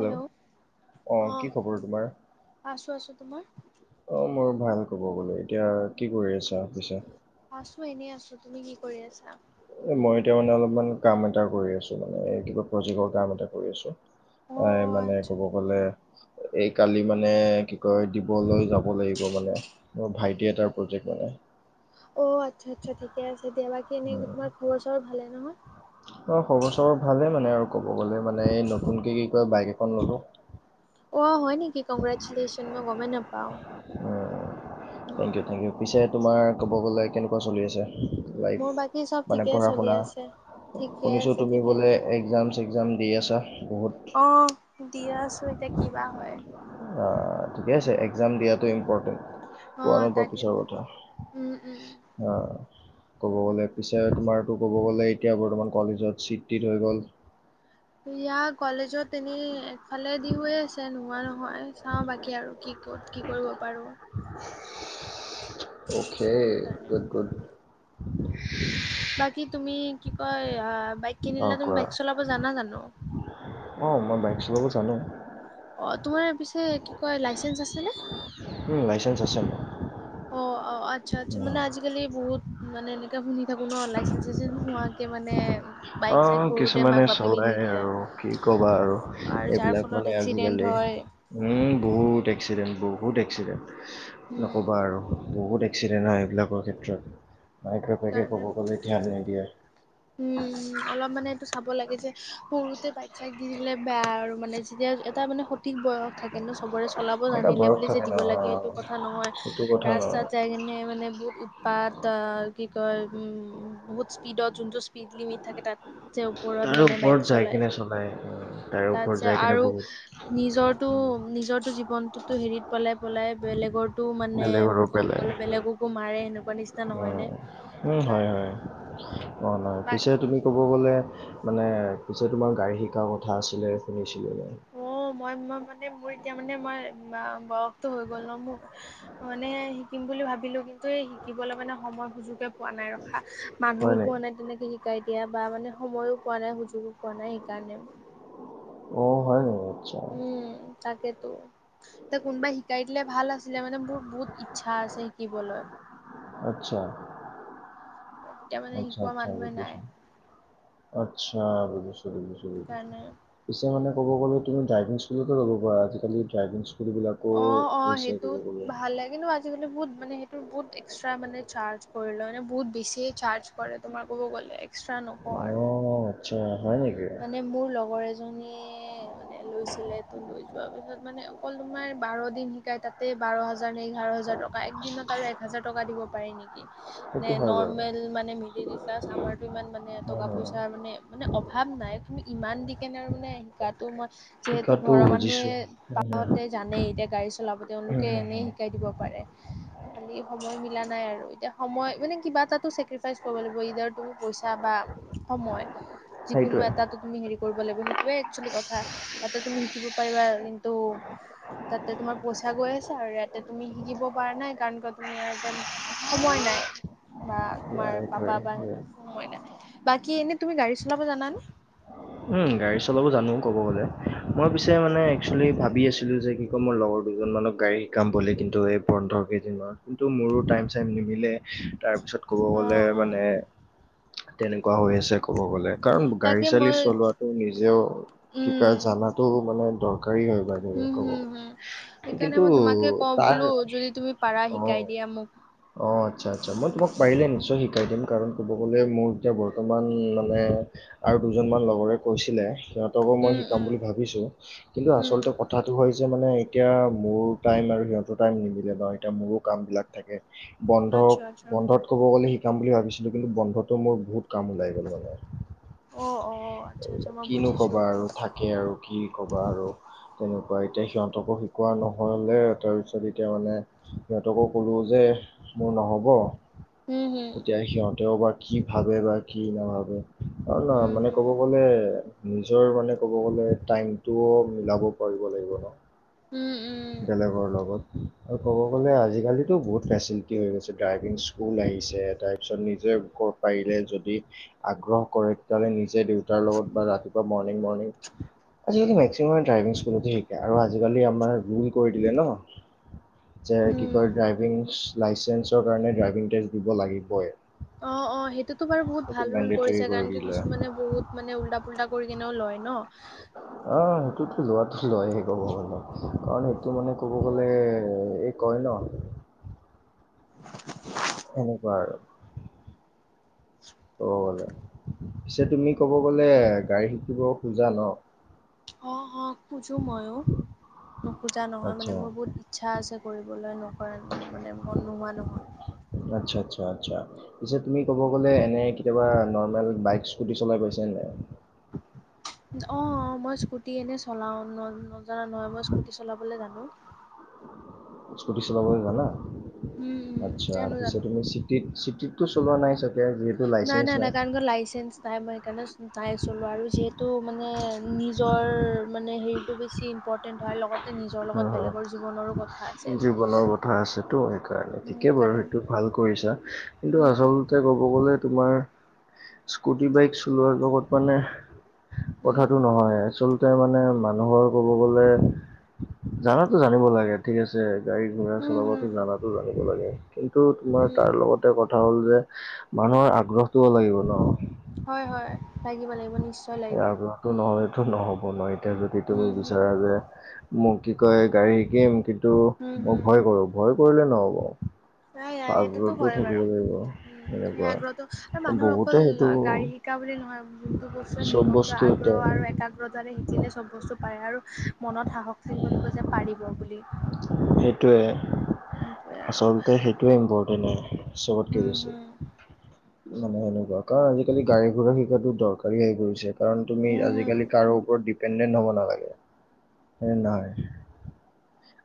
Hello, অ, কি খবৰ তোমাৰ? আছো আছো তোমাৰ? অ', মোৰ ভাল ক'ব গ'লে এতিয়া কি কৰি আছা পিছে? আছো এনেই আছো তুমি কি কৰি আছা? মই এতিয়া মানে অলপমান কাম এটা কৰি আছোঁ মানে এই কিবা প্ৰজেক্টৰ কাম এটা কৰি আছোঁ। অ অ এ মানে আচ্ছা ক'ব গ'লে এই কালি মানে কি কয় দিবলৈ যাব। ক'ব লাগিব মানে মোৰ ভাইটি এটাৰ প্ৰজেক্ট মানে। অ', আচ্ছা আচ্ছা ঠিকে আছে দিয়া বাকী এনে তোমাৰ খবৰ চবৰ ভালে নহয়? অ', খবৰ চবৰ ভালে মানে আৰু ক'ব গ'লে মানে এই নতুনকে কি কয় বাইক এখন ল'লো। অ', হয় নেকি কংগ্ৰেচুলেশ্যন মই গমে নেপাওঁ। উম, থেংক ইউ থেংক ইউ পিছে তোমাৰ ক'ব গ'লে কেনেকুৱা চলি আছে? লাইফ মোৰ বাকী চব মানে ঠিকে পঢ়া চলি -শুনা, আছে ঠিকে শুনিছোঁ আছে তুমি ঠিকে বোলে আছে একজাম-চেগজাম দি আছা, বহুত। অ', দি আছো এতিয়া কিবা হয়। আ, ঠিকে আছে এক্সাম দিয়াটো ইম্পৰ্টেণ্ট। অ পোৱা নোপোৱা পিছৰ তাকেতো কথা। উম উম অ', ক'ব গ'লে পিছে তোমাৰতো ক'ব গ'লে এতিয়া বৰ্তমান কলেজত চিট- টিট হৈ গ'ল। ইয়া কলেজত এনেই এফালে দি হৈ আছে নোহোৱা নহয়, চাও বাকী আৰু কি ক'ত কি কৰিব পাৰো। অকে, কাৰণে গুড, গুড! বাকী তুমি কি' কয় আ বাইক কিনিলানে, তুমি বাইক চলাব জানা জানো? অঁ মই বাইক চলাব জানো। অ তোমাৰ পিছে কি' কয় লাইচেন্স আছে নে? উম' লাইচেন্স আছে মোৰ। অহ', অঁহ', আচ্ছা-আচ্ছা, মানে আজিকালি বহুত মানে এনেকে শুনি থাকো ন লাইচেন্স-চাইচেন্স নোহোৱা- কে মানে- বাইক চাইক অহ' সৰুতে কিছুমানে মাক বাপেকে চলাই দি দিয়ে। আৰু কি ক'বা আৰু অ' আৰু যাৰ এইবিলাক ফলত মানে এক্সিডেণ্ট আজিকালি। হয় উমঁ বহুত এক্সিডেণ্ট, বহুত এক্সিডেণ্ট উম, নক'বা আৰু। বহুত এক্সিডেণ্ট হয়, এইবিলাকৰ ক্ষেত্ৰত মায়েক-বাপেকে ক'ব গ'লে ধ্যান নিদিয়ে। উমঁ, অলপ মানে এইটো চাব লাগে যে সৰুতে বাইক-চাইক দি দিলে বেয়া আৰু মানে যেতিয়া এটা মানে সঠিক বয়স থাকে ন' চবৰে, চলাব এটা জানিলে বয়স বুলি যে থাকে ন দিব অ লাগে সেইটো কথা নহয়, সেইটো কথা ৰাস্তাত নহয় যাই কিনে মানে বহুত পাত কি কয় উম বহুত স্পীডত যোনটো স্পীড লিমিট থাকে তা'ত। যে ওপৰত তাৰে মানে বাইক ওপৰত যাই চলাই। কেনে তাৰে তা'ত ওপৰত যে যাই কিনে আৰু বহুত নিজৰ- টো, নিজৰটো জীৱনটোতো হেৰিত- পেলাই-পেলাই বেলেগতো মানে বেলেগৰো ক'ব পেলাই গ'লে বেলেগকো মাৰে সেনেকুৱা নিচিনা নহয় নে? উম উম, হয়, হয়, হোৱা নাই। বাই পিছে তুমি ক'ব গলে- মানে পিছে তোমাৰ গাড়ী শিকাৰ কথা আছিলে শুনিছিলো। অহ', মই-মই মানে মোৰ এতিয়া মানে মই বয়সটো হৈ গ'ল ন মোৰ। মানে শিকিম বুলি ভাবিলো, কিন্তু এই শিকিবলৈ মানে সময় সুযোগে- পোৱা নাই ৰখা, মানুহো পোৱা নাই তেনেকে- শিকাই দিয়া বা মানে সময়ো পোৱা নাই, সুযোগো পোৱা নাই, সেইকাৰণে। অহ', হয় নেকি আচ্ছা। উমঁ তাকেটো। এতিয়া কোনোবাই শিকাই দিলে ভাল আছিলে মানে মোৰ বহুত ইচ্ছা আছে শিকিবলৈ। আচ্ছা। এতিয়া মানে শিকোৱা আচ্ছা-আচ্ছা মানুহে নাই বুজিছো, আচ্ছা বুজিছো, বুজিছো, বুজিছো। সেইকাৰণে পিছে মানে ক'ব গ'লে তুমি ড্ৰাইভিং স্কুলতো লব পাৰা, আজিকালি ড্ৰাইভিং- স্কুলবিলাকো অঁ', অঁ', হৈছে ক'ব সেইটোত গ'লে ভাল লাগে কিন্তু আজি- আজিকালি বহুত মানে সেইটো বহুত এক্সট্ৰা মানে চাৰ্জ কৰি লয়, মানে বহুত বেছিয়ে চাৰ্জ- কৰে তোমাৰ ক'ব গ'লে, এক্সট্ৰা নকওঁ আৰু। অঁহ', আচ্ছা হয় নেকি? মানে মোৰ লগৰ এজনীয়ে- লৈছিলে। ত' লৈ যোৱা পিছত মানে অকল তোমাৰ বাৰ দিন শিকাই তা'তে বাৰ হাজাৰ এঘাৰ হাজাৰ টকা, এক দিনত আৰু এক হাজাৰ টকা দিব পাৰি নেকি? নে সেইটো হয় বাৰু নৰ্মেল মানে মিডিল ৰিচাৰ্জ আমাৰটো ইমান মানে টকা উম। পইচা মানে মানে ভাৱ নাই। তুমি ইমান দি কিনে আৰু মানে শিকাটো মই যিহেতু শিকাতো ঘৰৰ বুজিছো। মানুহে পাপাহতে জানেই এতিয়া গাড়ী চলাব তেওঁলোকে এনে শিকাই দিব পাৰে। খালি সময় মিলা নাই আৰু এতিয়া সময় মানে কিবা এটাতো চেক্ৰিফাইচ কৰিব লাগিব। পইচা বা সময় যিকোনো সেইটোৱে। এটাতো তুমি হেৰি কৰিব লাগিব। সেইটোৱে একচোৱেলি কথা। তাতোঁ তুমি শিকিব পাৰিবা। কিন্তু তাতে তোমাৰ পইচা গৈ আছে আৰু ইয়াতে তুমি শিকিব পৰা নাই। কাৰণ কিয় তুমি এইয়াৰ টাইম সময় নাই বা এয়া তোমাৰ সেইটোৱে পাপা, বা সিহঁতৰ সময় নাই। বাকী এনেই তুমি গাড়ী চলাব জানা নে? উম, গাড়ী চলাবো জানো ক'ব গ'লে। মই পিছে মানে একচোৱেলি ভাবি আছিলোঁ যে কি আকৌ মোৰ লগৰ দুজন মানক গাড়ী শিকাম বুলি। কিন্তু, এই বন্ধৰ কেইদিনমানত। কিন্তু মোৰো টাইম চাইম নিমিলে। তাৰপিছত ক'ব অ গ'লে অ মানে তেনেকুৱা হৈ আছে। ক'ব গ'লে কাৰণ গাড়ী তাকে চালি মই চলোৱাটো নিজেও উম শিকাই জানাতো মানে দৰকাৰী হয়, বাইদেৱেই হম ক'ব হম হম গ'লে। সেইকাৰণে কিন্তু মই তোমাকে কওঁ তাৰ বোলো যদি তুমি পাৰা শিকাই অ' দিয়া মোক অ' আচ্ছা, আচ্ছা মই তোমাক পাৰিলে নিশ্চয় শিকাই দিম। কাৰণ ক'ব গ'লে মোৰ এতিয়া বৰ্তমান মানে আৰু দুজনমান লগৰে কৈছিলে। সিহঁতকো মই উম শিকাম উম বুলি ভাবিছোঁ। কিন্তু উম আচলতে কথাটো হৈছে মানে এতিয়া মোৰ টাইম আৰু সিহঁতৰ টাইম নিমিলে বাৰু এতিয়া মোৰো কামবিলাক থাকে। বন্ধ আচ্ছা আচ্ছা বন্ধত ক'ব গ'লে শিকাম বুলি ভাবিছিলোঁ। কিন্তু, বন্ধটো মোৰ বহুত কাম ওলাই গ'ল মানে। অ অ আচ্ছা এই আচ্ছা মই কিনো বুজিছো কবা আৰু থাকে আৰু কি কবা আৰু তেনেকুৱা, এতিয়া সিহঁতকো শিকোৱা নহ'লে। তাৰপিছত এতিয়া মানে সিহঁতকো কলোঁ যে মোৰ নহ'ব, হম হম এতিয়া সিহঁতেওঁ বা কি ভাবে বা কি নাভাবে। অ' ন হম মানে হম ক'ব গ'লে নিজৰ মানে ক'ব গ'লে টাইমটোওঁ মিলাব পাৰিব লাগিব ন। উম, উম। বেলেগৰ লগত আৰু ক'ব গ'লে আজিকালিতো বহুত কি হৈ গৈছে, ড্ৰাইভিং স্কুল আহিছে। তাৰপিছত নিজে পাৰিলে যদি আগ্ৰহ কৰে, তেতিয়া হ'লে নিজে দেউতাৰ লগত বা ৰাতিপুৱা মৰ্ণিং, মৰ্ণিং আজি কালি এই মই ড্ৰাইভিং স্কুলতো শিকাই আৰু আজি কালি আমাৰ কৰি দিলে ন যে কি কয় উম ড্ৰাইভিং লাইচেন্সৰ কাৰণে ড্ৰাইভিং টেষ্ট দিব লাগিবই। অ' অ' সেইটোতো বাৰু বহুত সেইটো ভাল ৰোল মেণ্ডেটৰী কৰিছে। কৰি কাৰণ কি দিলে কিছুমানে বহুত মানে ওল্টা পুল্টা কৰি কেনেও লয় ন। আহ সেইটোতো লোৱাটো লৈয়ে, ক'ব গ'লে, কাৰণ সেইটো মানে ক'ব গ'লে এই কয়নো। [unintelligible] এনেকুৱা আৰু [unintelligible] ক'ব গ'লে পিছে তুমি ক'ব গ'লে গাড়ী শিকিব খোজা ন। অ' অ' খোজোঁ মইয়ো। নোখোজা নহয় আচ্ছা, মানে মোৰ বহুত ইচ্ছা আছে, কৰিবলৈ নকৰা মানে মন নোহোৱা নহয়। আচ্ছা, আচ্ছা, আচ্ছা। পিছে তুমি ক'ব গ'লে এনে কেতিয়াবা নৰ্মেল বাইক স্কুটি চলাই পাইছানে নাই? অ' অ'! মই স্কুটি এনেই চলাওঁ। ন- নজনা নহয়, মই স্কুটি চলাবলে জানোঁ। স্কুটি চলাবলে জানা? উম উম আচ্ছা, জানো পিছে জানো তুমি চিটিত, চিটিতটো চলোৱা নাই চাগে? যিহেতু লাইচেঞ্চ নাই-নাই নাই? দাদাৰ লগত লাইচেঞ্চ নাই। মই সেইকাৰণে নাই চলোৱা আৰু। যিহেতু মানে, নিজৰ মানে, সেৰিটো বেছি। ইম্পৰ্টেণ্ট হোৱাৰ লগতে, নিজৰ হা, লগত হা। বেলেগৰ জীৱনৰো কথা আছে, ইয়াতে। ঠিকেই বাৰু সেইটো ভাল কৰিছা! কিন্তু, উম আচলতে ক'ব গ'লে তোমাৰ, স্কুটি, বাইক চলোৱাৰ লগত মানে, উম কথাটো নহয়। আচল তে মানে, মানুহৰ ক'ব গ'লে, জানাতো জানিব লাগে। ঠিক আছে! গাড়ী-ঘোড়া উম চলাবতো, হুম জানাতো জানিব লাগে। কিন্তু তোমাৰ, উম তাৰ লগতে কথা হ'ল যে, মানুহৰ আগ্ৰহটোও লাগিব ন'। হয়, হয়! লাগিব-লাগিব, নিশ্চ সেই আগ্ৰহটো নহ'লেতো নহ'ব নহয়। এতিয়া যদি তুমি হুম হুম বিচাৰা যে, মোক কি কয়, গাড়ী শিকিম। কিন্তু, হুম মই ভয় কৰোঁ! ভয় কৰিলে নহ'ব। নাই-নাই, সেইটোতো আগ্ৰহটো হয় থাকিব বাৰু। লাগিব উম, সেই এনেকুৱা আগ্ৰহটো, আৰু মানুহৰ বহুতে অকল সেইটো গাড়ী শিকা বুলি নহয়, যোনটো বস্তুৱে চব নিজকে বস্তু এটা আগ্ৰহ আৰু একা একাগ্ৰতাৰে শিকিলে, চব বস্তু পাৰে। আৰু মনত সাহস থাকিব লাগিব যে, পাৰিব বুলি। সেইটোৱে, সেইটোৱে আৰু আচলতে সেইটোৱে ইম্পৰ্টেণ্টনে চবতকে উম বেছি। হম মানে, সেনেকুৱা। কাৰণ, আজিকালি গাড়ী-ঘোড়া শিকাটো দৰকাৰী হৈ গৈছে। কাৰণ, তুমি হম হম আজিকালি, কাৰো ওপৰত ডিপেণ্ডেণ্ট হ'ব নালাগে। এ, নহয়।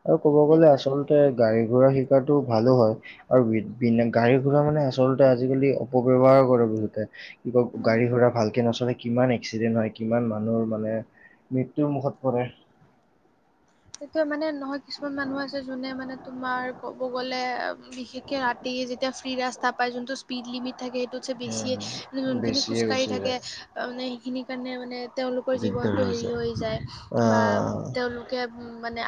আৰু ক'ব গ'লে সেইটোৱেটো আচলতে, গাড়ী-ঘোড়া শিকাটো ভালো বাৰু। আৰু বি, গাড়ী-ঘোড়া মানে, আচলতে আজিকালি, অপব্যৱহাৰ কৰে বহুতে। [unintelligible] উম গাড়ী-ঘোড়া ভালকে নচলে, কিমান এক্সিডেণ্ট হয়, কিমান মানুহৰ মানে, মৃত্যুৰ মুখত পৰে। সেইটো মানে, নহয়। কিছুমান মানুহ আছে, যোনে মানে তোমাৰ ক'ব গ'লে, বিশেষকে ৰাতি, যেতিয়া ফ্ৰী ৰাস্তা পাই, যোনটো স্পীড লিমিট থাকে, সেইটোত [unintelligible] বেছিয়ে, উম, যোনখিনি বেছিয়ে খোজকাঢ়ি গুচি থাকে, যায় আঁ মানে, সেইখিনিৰ কাৰণে মানে, তেওঁলোকৰ জীৱনটো সেৰি হৈ যায়। বা আহ তেওঁলোক, তেওঁ উম! মানে,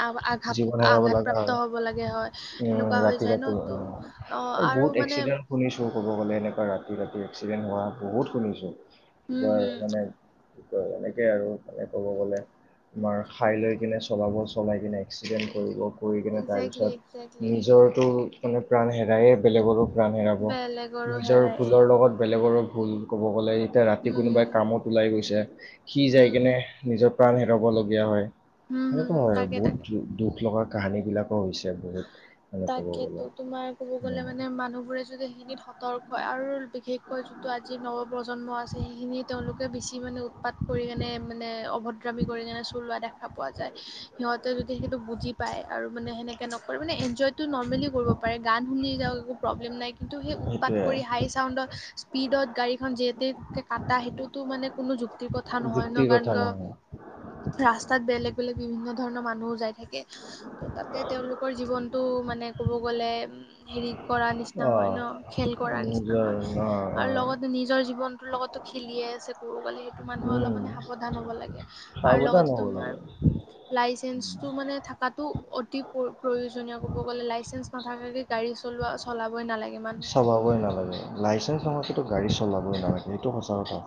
জীৱন হেৰাব লগা হয়। আঘাত-আঘাতপ্ৰাপ্ত হ'ব লাগে, হয়। উম সেনেকুৱা হৈ ৰাতি যায় ৰাতি ন'। ত' অ'! আৰু মানে, শুনিছোঁ ক'ব গ'লে, এনেকুৱা ৰাতি-ৰাতি এক্সিডেণ্ট হোৱা, বহুত শুনিছোঁ। কি উম কয় হম মানে, কি কয় মানে, তাকে আৰু মানে, ক'ব গ'লে। মাৰ, খাই লৈ কিনে চলাব, চলাই কিনে এক্সিডেণ্ট কৰিব। পৰি কিনে একজেক্টলি টাইমছত। একজেক্টলি নিজৰটো মানে, প্ৰাণ হেৰাইয়ে, বেলেগৰো প্ৰাণ হেৰাব। বেলেগৰো নিজৰ হেৰাই ভুলৰ লগত, বেলেগৰো ভুল, ক'ব গ'লে। এতিয়া, ৰাতি উম কোনোবাই হম কামত ওলাই গৈছে। সি যাই উম কেনে, নিজৰ প্ৰাণ হেৰাবলগীয়া হয়। হম সেনেকুৱা হম নহয় আৰু। তাকে বহুত তাকে দুখ লগা কাহানী বিলাকো হৈছে! বহুত মানে ক'ব তাকেতো, গ'লে। তোমাৰ ক'ব গ'লে উম, মানে, মানুহবোৰে যদি সেইখিনিত শ [unintelligible] হয়। আৰু বিশেষকৈ, যোনটো আজি, নৱপ্ৰজন্ম আছে, সেইখিনি তেওঁলোকে বেছি মানে, উৎপাত কৰি কেনে মানে, অভদ্ৰামী কৰি কেনে, চলোৱা দেখা পোৱা যায়। সিহঁতে যদি সেইটো বুজি পায় আৰু মানে, সেনে কে নকৰে। মানে, এনজয়টো নৰ্মেলি কৰিব পাৰে, গান শুনি যাওঁক, একো প্ৰব্লেম নাই। কিন্তু সেই, উৎপাত সেইটোৱে কৰি, হাই-চাউণ্ডত স্পীডত গাড়ীখন যিহেতে কাটা, সেইটোতো মানে, কোনো যুক্তি যুক্তি কথা নহয় ন'। যুক্তিৰ কাৰণ কথা নহয়। কিয় ৰাস্তাত বেলেগ-বেলেগ, বিভিন্নধৰণৰ মানুহো যায় থাকে। ত' তাতে, তেওঁলোকৰ জীৱনটো মানে ক'ব গ'লে হেৰিত- কৰা নিচিনা হয় অ', ন, খেল কৰাৰ নিচিনা নিজৰ হয় অ', আৰু অ', লগতে নিজৰ জীৱনটোৰ লগতো খেলিয়ে আছে। ক'ব গলে সেইটো মানুহে অলপ উম, মানে সাৱধান হ'ব লাগে আৰু সাৱধান লগতে হ'ব লাগে। তোমাৰ- লাইচেন্সটো মানে থাকাতো অতি- প্ৰ প্ৰয়োজনীয় কৰিব গ'লে লাইচেন্স নাথাকে গাড়ী চলোৱা চলাবই নালাগে। মানুহে চলাবই নালাগে। লাইচেন্ঞ্চ নোহোৱাকেটো গাড়ী চলাবই নালাগে এইটো সঁচা কথা।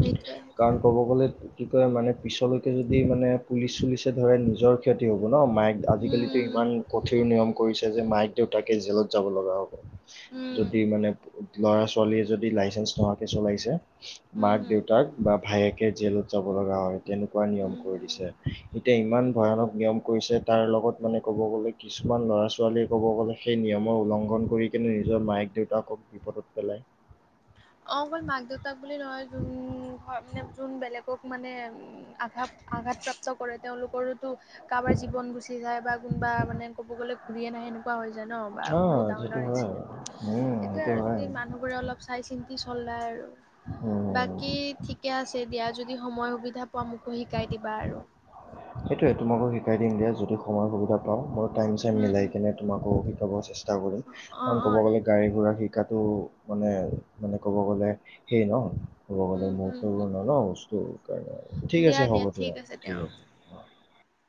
সেইটোৱে কাৰণ সেইটোৱে ক'ব গ'লে- কি কয় মানে পিছলৈকে যদি মানে পুলিচ চুলিচে ধৰে নিজৰ ক্ষতি হ'ব ন। মায়ক আজিকালিতো- উম ইমান কঠিন নিয়ম কৰিছে যে মায়ে দেউতাকে জেলত যাব লগা হ'ব। উম উম যদি মানে- ল'ৰা ছোৱালীয়ে যদি লাইচেন্ঞ্চ নোহোৱাকৈ চলাইছে, উম মাক উম দেউতাক বা- ভায়েকে জেলত যাব লগা হয়, তেনেকুৱা নিয়ম উম কৰি উম। দিছে। এতিয়া ইমান ভয়ানক নিয়ম কৰিছে। তাৰ লগত মানে ক'ব গ'লে কিছুমান ল'ৰা ছোৱালীয়ে ক'ব গ'লে- সেই নিয়মৰ উলংঘন কৰি কিনে নিজৰ মায়েক দেউতাকক বিপদত পেলায়। অঁ অকল মাক দেউতাক বুলি নহয়, যোন ঘ মানে যোন বেলেগক মানে- আঘাত আঘাতপ্ৰাপ্ত কৰে। তেওঁলোকৰোতো কাৰবা জীৱন গুচি যায় বা কোনোবা মানে ক'ব গ'লে ঘূৰিয়ে নাহে এনেকুৱা হৈ যায় ন। বা অ বহুত ডাঙৰ, সেইটো ডাঙৰ হয় এক্সিডেন্টত। উম সেইটোয়ে সেইটো আৰু হয় যদি মানুহ বোৰে অলপ চাই চিন্তি চলাই আৰু। উম বাকী ঠিকে আছে দিয়া যদি সময় সুবিধা পোৱা মোকো শিকাই দিবা আৰু। সেইটোৱে তোমাকো শিকাই দিম দিয়া যদি সময়ৰ সুবিধা পাওঁ, মই টাইম চাইম উম মিলাই উম কেনে। তোমাকো শিকাব চেষ্টা কৰিম। অ কাৰণ অ ক'ব গ'লে- গাড়ী ঘোঁৰা শিকাটো মানে মানে ক'ব গ'লে সেই ন। ৰদ উম মূৰ্ত উম ন ন উ্ত [unintelligible] দিয়া দিয়া ঠিক আছে দিয়া।